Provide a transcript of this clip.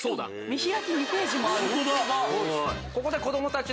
見開き２ページもある！